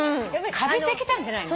カビてきたんじゃないの？